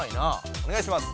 おねがいします。